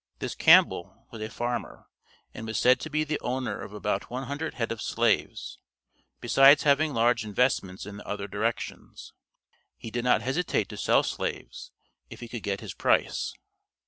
This Campbell was a farmer, and was said to be the owner of about one hundred head of slaves, besides having large investments in other directions. He did not hesitate to sell slaves if he could get his price.